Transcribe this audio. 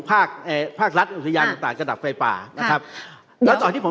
ภาครัฐเอ่อภาครัฐรัฐอุทยานต่างกันดับไฟป่านะครับแล้วตอนที่ผม